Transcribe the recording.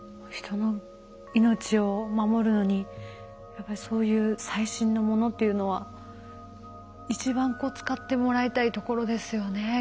人の命を守るのにやっぱりそういう最新のものというのは一番こう使ってもらいたいところですよね。